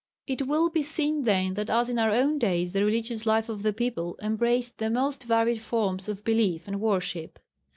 It will be seen then that as in our own days, the religious life of the people embraced the most varied forms of belief and worship.